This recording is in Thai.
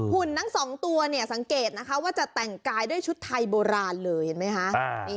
หุ่นนั้น๒ตัวสังเกตนะครับว่าจะแต่งกายด้วยชุดไทยโบราณเลยเห็นไหมคะ